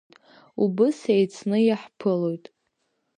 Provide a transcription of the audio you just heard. Убыс еицны иаҳԥылоит…